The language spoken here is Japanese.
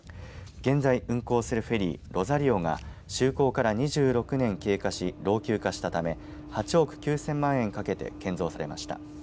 現在運航するフェリーロザリオが就航から２６年経過し、老朽化したため８億９０００万円かけて建造されました。